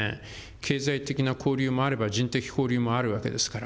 経済的な交流もあれば、人的交流もあるわけですから。